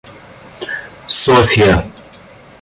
Софья